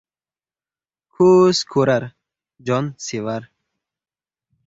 • Ko‘z ko‘rar, jon sevar.